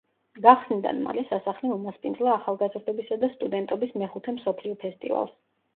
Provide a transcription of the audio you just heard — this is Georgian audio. გახსნიდან მალე სასახლემ უმასპინძლა ახალგაზრდობისა და სტუდენტობის მეხუთე მსოფლიო ფესტივალს.